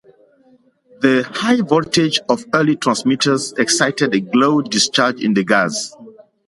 The high voltage of early transmitters excited a glow discharge in the gas.